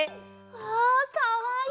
わあかわいい！